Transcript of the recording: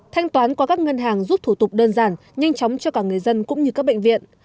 thanh toán qua các ngân hàng giúp thủ tục đơn giản nhanh chóng cho cả người dân cũng như các bệnh viện